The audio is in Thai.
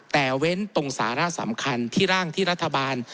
แต่เว้นตรงสาระสำคัญที่ร่างที่รัฐบาล